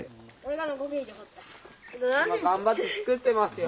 今頑張って作ってますよ。